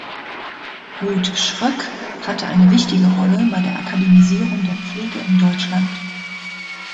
Ruth Schröck hatte eine wichtige Rolle bei der Akademisierung der Pflege in Deutschland.